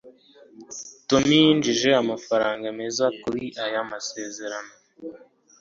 Tom yinjije amafaranga meza kuri ayo masezerano